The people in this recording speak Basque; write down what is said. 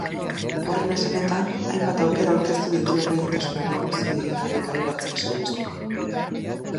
Horren esanetan, hainbat aukera aurkeztu ditu errentagarritasunari muzin egin gabe kaleratzeak saihesteko.